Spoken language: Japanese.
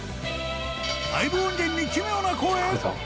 ライブ音源に奇妙な声？